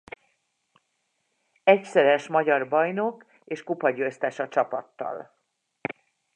Egyszeres magyar bajnok és kupagyőztes a csapattal.